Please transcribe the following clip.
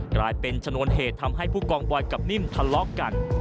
กลายเป็นชนวนเหตุทำให้ผู้กองบอยกับนิ่มทะเลาะกัน